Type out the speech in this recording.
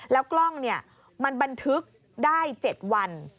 แล้วกล้องมันบันทึกได้๗วัน